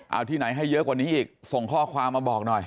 เอาที่ไหนให้เยอะกว่านี้อีกส่งข้อความมาบอกหน่อย